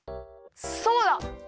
そうだ！